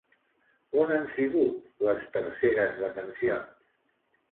On han sigut les terceres detencions?